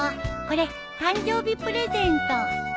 これ誕生日プレゼント。